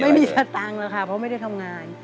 ไม่มีสตังค์หรอกค่ะเพราะไม่ได้ทำงาน